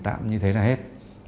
tạm như thế là hết